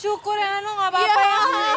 syukur ya nano gak apa apa ya